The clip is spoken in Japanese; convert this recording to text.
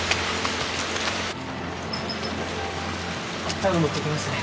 タオル持ってきますね。